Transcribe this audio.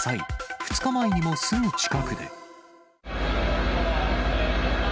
２日前にもすぐ近くで。